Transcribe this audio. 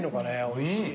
おいしい。